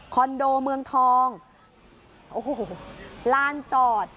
โดเมืองทองโอ้โหลานจอด